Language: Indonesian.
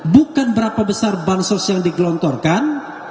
bukan berapa besar bansos yang digelontorkan